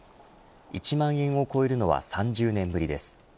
１万円を超えるのは３０年ぶりです。